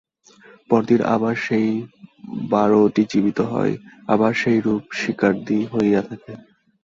পরদিন আবার সেই বরাহটি জীবিত হয়, আবার সেইরূপ শিকারাদি হইয়া থাকে।